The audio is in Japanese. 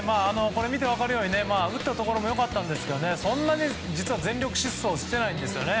これ見て分かるように打ったところもよかったんですがそんなに全力疾走をしていないんですよね。